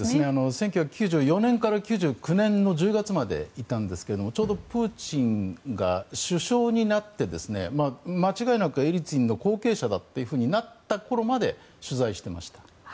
１９９４年から９９年の１０月までいたんですけれどもちょうどプーチンが首相になって間違いなくエリツィンの後継者だとなったころまで取材していました。